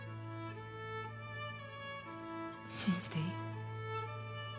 信じていい？